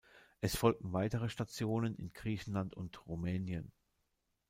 Es folgten weitere Stationen in Griechenland und Rumänien.